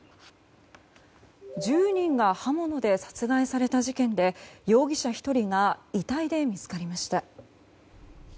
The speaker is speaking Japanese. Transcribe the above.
１０人が刃物で殺害された事件で容疑者１人が遺体で見つかりました。